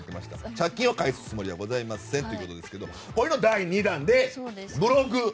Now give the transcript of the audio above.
借金を返すつもりはございませんということでこれの第２弾で、ブログ。